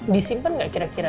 disimpen gak kira kira